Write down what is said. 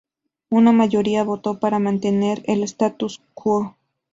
Una mayoría votó para mantener el status quo.